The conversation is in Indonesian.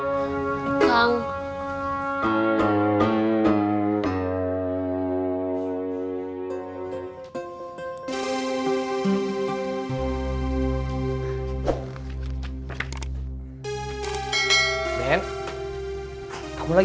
jadi aku nggak mau pulang